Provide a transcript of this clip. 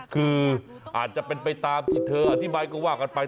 คืออาจจะเป็นไปตามที่เธออธิบายก็ว่ากันไป